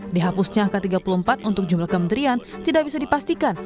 dihapusnya angka tiga puluh empat untuk jumlah kementerian tidak bisa dipastikan